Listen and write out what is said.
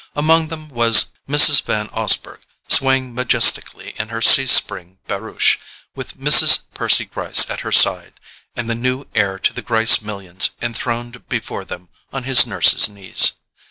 Among them was Mrs. Van Osburgh, swaying majestically in her C spring barouche, with Mrs. Percy Gryce at her side, and the new heir to the Gryce millions enthroned before them on his nurse's knees.